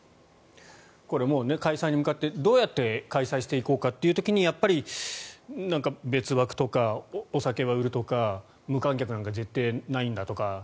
これ、開催に向かってどうやって開催していこうかという時にやっぱり、別枠とかお酒は売るとか無観客なんか絶対ないんだとか。